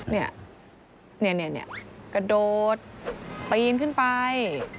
เนี่ยเนี่ยเนี่ยเนี่ยกระโดดปีนขึ้นไป